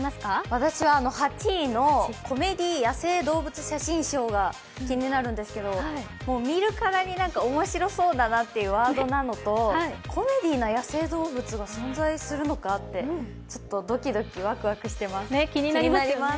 私は８位のコメディー野生動物写真賞が気になるんですが見るからに面白そうだなというワードなのと、コメディーな野生動物が存在するのか、ちょっとドキドキ、ワクワクしてます、気になります。